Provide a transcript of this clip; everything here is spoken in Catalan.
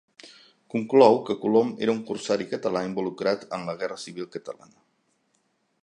Conclou que Colom era un corsari català involucrat en la Guerra civil catalana.